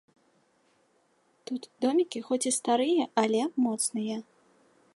Тут домікі хоць і старыя, але моцныя.